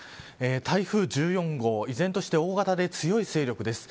台風１４号、依然として大型で強い勢力です。